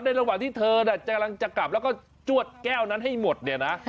ระหว่างที่เธอกำลังจะกลับแล้วก็จวดแก้วนั้นให้หมดเนี่ยนะ